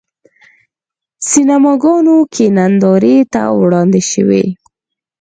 سینماګانو کې نندارې ته وړاندې شوی.